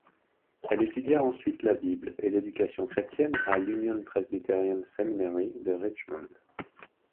Elle étudia ensuite la Bible et l'éducation chrétienne à l'Union Presbyterian Seminary de Richmond.